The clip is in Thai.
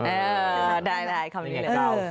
เออได้คำนี้เลยเออคำนี้เลย